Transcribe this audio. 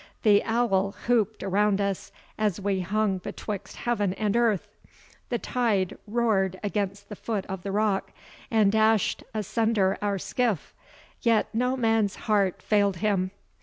The owl whooped around us as we hung betwixt heaven and earth; the tide roared against the foot of the rock, and dashed asunder our skiff, yet no man's heart failed him.